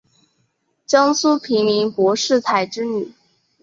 江苏平民柏士彩之女。